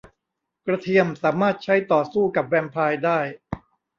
กระเทียมสามารถใช้ต่อสู้กับแวมไพร์ได้